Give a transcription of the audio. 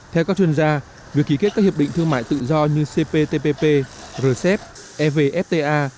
theo các chuyên gia việc ký kết các hiệp định thương mại tự do như cptpp rcep evfta